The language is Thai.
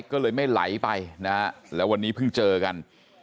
ก็เลยไม่ไหลไปนะฮะแล้ววันนี้เพิ่งเจอกัน